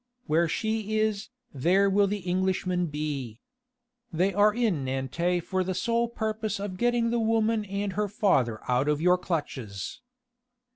"Where she is, there will the Englishmen be. They are in Nantes for the sole purpose of getting the woman and her father out of your clutches...."